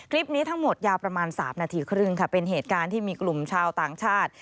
คลิปนี้ทั้งหมดยาวประมาณ๓นาทีครึ่งค่ะเป็นเหตุการณ์ที่มีกลุ่มชาวต่างชาติ